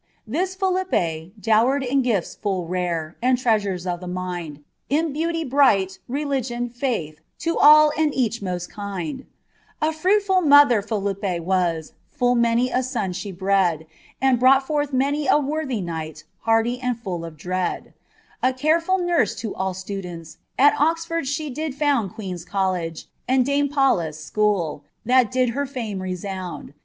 This Philippe, dowered in gifts full rare, ami treasures of the mind, In beauty bright, religion, (hith, to all and eaeh most kind, A fruitful mother Fbliippe was, full many a son she bred, And brought forth many a worthy knight, hardy and full of dread ;* A careful nurse to students all, at Oxford she did found Queen*s College, and dame Pallas school, that did her fiime resound.